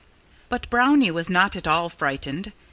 But Brownie was not at all frightened.